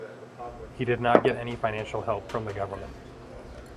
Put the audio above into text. He did not get any financial help from the government.